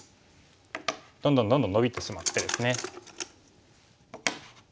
どんどんどんどんノビてしまってですね。